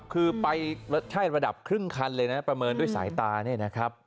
คือไปใช่ระดับครึ่งคันเลยนะประเมินด้วยสายตาเนี่ยนะครับ